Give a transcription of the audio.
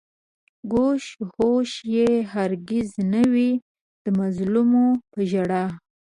گوش و هوش يې هر گِز نه وي د مظلومو په ژړا